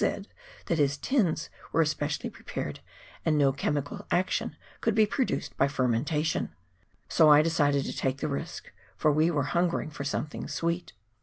— that his tins were especially prepared, and no chemical action could be produced by fermentation ; so I decided to take the risk, for we were hungering for something sweet.